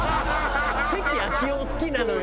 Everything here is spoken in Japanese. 関暁夫好きなのよ。